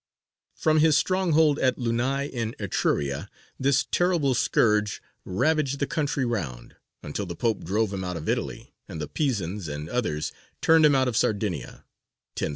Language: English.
From his stronghold at Luni in Etruria this terrible scourge ravaged the country round, until the Pope drove him out of Italy, and the Pisans and others turned him out of Sardinia (1017).